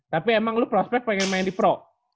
tapi emang lo prospek pengen main di pro